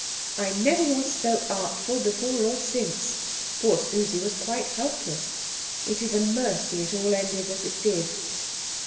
I never was so artful before or since. Poor Susie was quite helpless. It is a mercy it all ended as it did."